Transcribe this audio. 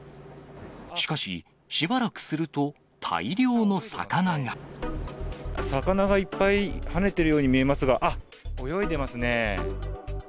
しかし、しばらくすると、魚がいっぱい跳ねてるように見えますが、あっ、泳いでますね。